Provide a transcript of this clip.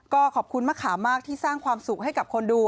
ก็ขอบคุณมะขามมากที่สร้างความสุขให้กับคนดู